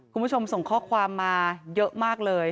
คุณผู้ชมส่งข้อความมาเยอะมากเลย